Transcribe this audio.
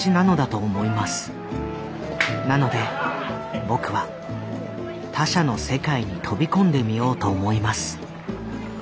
なので僕は他者の世界に飛び込んでみようと思います。